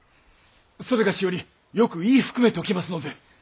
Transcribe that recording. それがしよりよく言い含めておきますので！